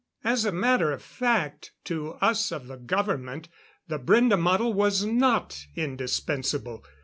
As a matter of fact, to us of the government, the Brende model was not indispensable.